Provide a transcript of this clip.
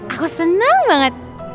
aku senang banget